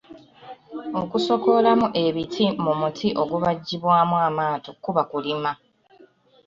Okusokoolamu ebiti mu muti ogubajjibwamu amaato kuba Kulima.